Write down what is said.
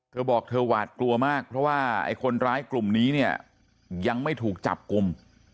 เธอบอกเธอหวาดกลัวมากเพราะว่าไอ้คนร้ายกลุ่มนี้เนี่ยยังไม่ถูกจับกลุ่ม